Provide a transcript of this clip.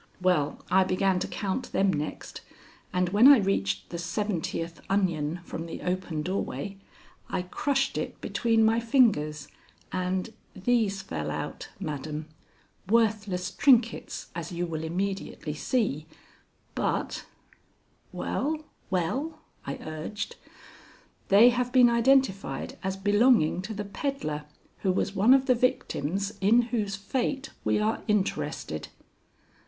"Well, I began to count them next, and when I reached the seventieth onion from the open doorway, I crushed it between my fingers and these fell out, madam worthless trinkets, as you will immediately see, but " "Well, well," I urged. "They have been identified as belonging to the peddler who was one of the victims in whose fate we are interested."